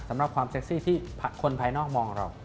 สำหรับความเซ็กซี่ที่คนภายนอกมองเรา